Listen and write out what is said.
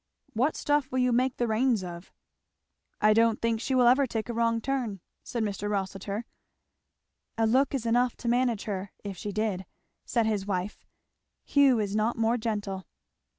What stuff will you make the reins of?" "I don't think she ever will take a wrong turn," said Mr. Rossitur. "A look is enough to manage her, if she did," said his wife. "Hugh is not more gentle."